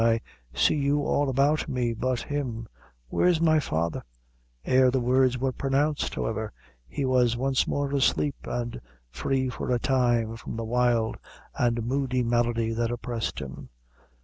I see you all about me but him where's my fath " Ere the words were pronounced, however, he was once more asleep, and free for a time from the wild and moody malady which oppressed him.